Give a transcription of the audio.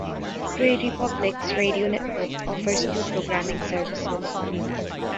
Prairie Public's radio network offers two programming services.